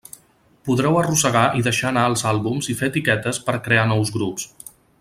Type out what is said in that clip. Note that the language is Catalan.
Podreu arrossegar i deixar anar els àlbums i fer etiquetes per a crear nous grups.